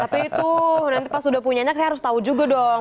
tapi itu nanti pas udah punya nya saya harus tau juga dong